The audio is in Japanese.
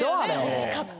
惜しかった。